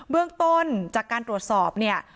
เบื้องต้นจากการตรวจสอบเนี่ย